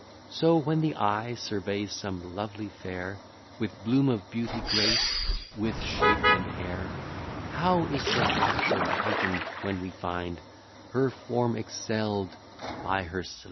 So when the eye surveys some lovely fair, With bloom of beauty graced, with shape and air; How is the rapture heighten'd, when we find Her form excell'd by her celestial mind!